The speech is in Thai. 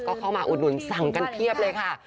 ก็เข้ามาอุดหนุนสั่งกันเพียบเลยค่ะ